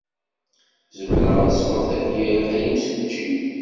Zemreɣ ad sweɣ tabyirt a imsujji?